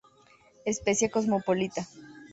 Especie cosmopolita.